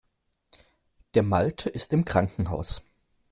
Der Malte ist im Krankenhaus.